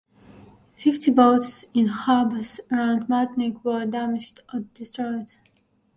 Fifty boats in harbours around Martinque were damaged or destroyed.